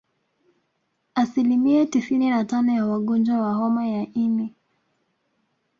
Asilimia tisini na tano ya wagonjwa wa homa ya ini